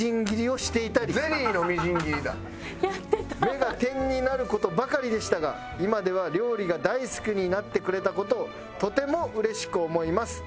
「目が点になる事ばかりでしたが今では料理が大好きになってくれた事をとてもうれしく思います」